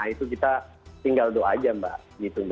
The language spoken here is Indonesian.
itu kita tinggal doa aja mbak